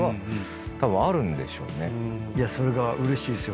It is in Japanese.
それがうれしいっすよ